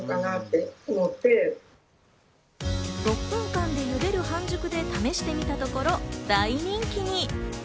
６分間でゆでる半熟で試したところ、大人気に。